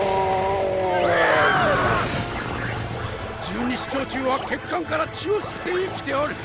十二指腸虫は血管から血を吸って生きておる。